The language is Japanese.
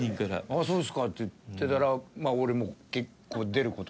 「あっそうですか」って言ってたら俺も出る事になり。